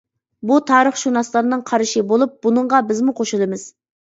بۇ تارىخشۇناسلارنىڭ قارىشى بولۇپ، بۇنىڭغا بىزمۇ قوشۇلىمىز.